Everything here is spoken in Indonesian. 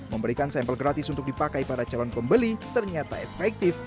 memberikan sampel gratis untuk dipakai para calon pembeli ternyata efektif